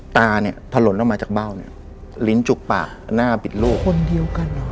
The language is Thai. ตาเนี่ยถล่นออกมาจากเบ้าเนี่ยลิ้นจุกปากหน้าบิดลูกคนเดียวกันเหรอ